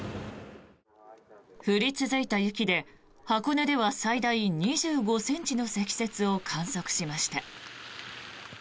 降り続いた雪で箱根では最大２５ｃｍの積雪を観測しました。